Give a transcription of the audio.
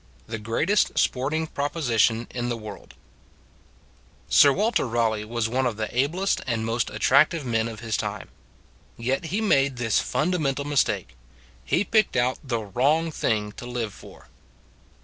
THE GREATEST SPORTING PROPOSITION IN THE WORLD SIR WALTER RALEIGH was one of the ablest and most attractive men of his time. Yet he made this fundamental mistake : he picked out the wrong thing to live for.